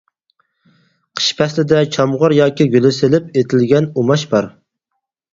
قىش پەسلىدە چامغۇر ياكى گۈلە سېلىپ ئېتىلگەن ئۇماچ بار.